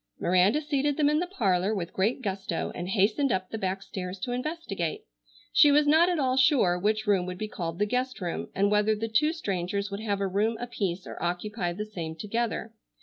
Miranda seated them in the parlor with great gusto and hastened up the back stairs to investigate. She was not at all sure which room would be called the guest room and whether the two strangers would have a room apiece or occupy the same together.